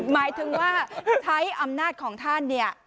หมายถึงว่าใช้อำนาจของท่านเนี่ย